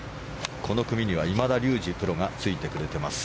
この組には今田竜二プロがついてくれています。